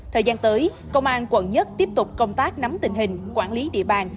thời gian tới công an quận một tiếp tục công tác nắm tình hình quản lý địa bàn